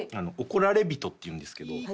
「怒られびと」っていうんですけど。